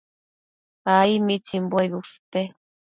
Ai. ¿mitsimbuebi ushpe?